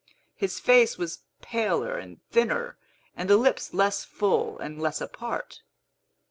His face was paler and thinner, and the lips less full and less apart.